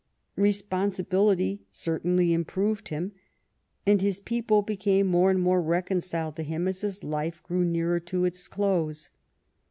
Responsibility certainly improved him, and his people became more and more reconciled to him as his life grew nearer to its close.